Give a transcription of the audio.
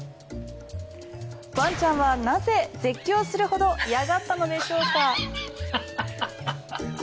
ワンちゃんはなぜ、絶叫するほど嫌がったのでしょうか。